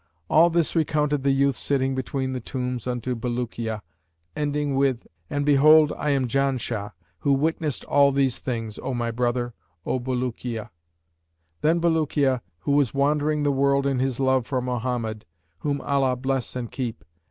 All this recounted the youth sitting between the tombs unto Bulukiya, ending with, 'And behold, I am Janshah who witnessed all these things, O my brother, O Bulukiya!' Then Bulukiya who was wandering the world in his love for Mohammed (whom Allah bless and keep!)